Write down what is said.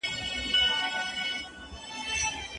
نن چي زموږ په منځ کي نسته دوی پرې ایښي میراثونه